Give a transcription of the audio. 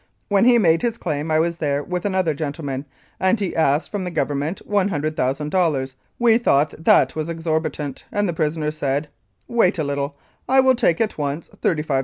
When he made his claim I was there with another gentleman, and he asked from the Government $100,000. We thought that was exorbitant, and the prisoner said : "Wait a little; I will take at once $35,000 cash.